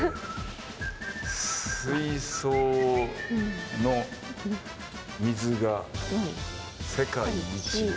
「水槽」の「水」が世界一世界一。